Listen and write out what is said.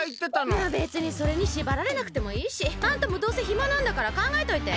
まあべつにそれにしばられなくてもいいし。あんたもどうせひまなんだからかんがえといて。